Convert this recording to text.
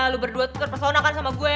lu berdua tuh kan persona kan sama gue